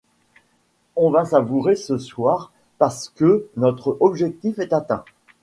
On va savourer ce soir parce que notre objectif est atteint.